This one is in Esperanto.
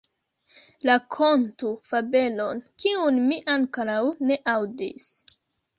Rakontu fabelon, kiun mi ankoraŭ ne aŭdis.